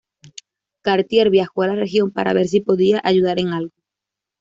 Cartier viajó a la región para ver si podía ayudar en algo.